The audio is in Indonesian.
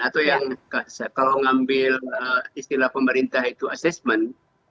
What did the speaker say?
atau yang kalau ngambil istilah pemerintah itu assessment